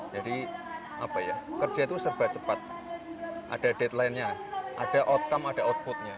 jadi kerja itu serba cepat ada deadline nya ada outcome ada output nya